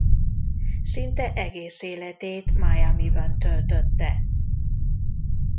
Szinte egész életét Miamiban töltötte.